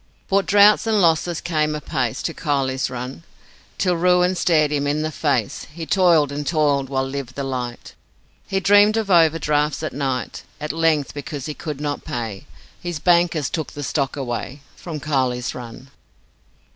But droughts and losses came apace To Kiley's Run, Till ruin stared him in the face; He toiled and toiled while lived the light, He dreamed of overdrafts at night: At length, because he could not pay, His bankers took the stock away From Kiley's Run.